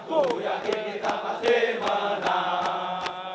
aku yakin kita pasti menang